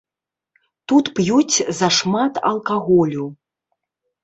Тут п'юць зашмат алкаголю.